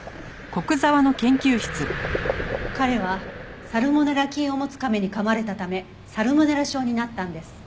彼はサルモネラ菌を持つ亀にかまれたためサルモネラ症になったんです。